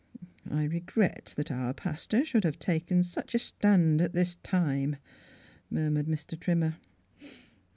" I regret that our pastor should have taken such a stand at this time," mur mured Mr. Trimmer.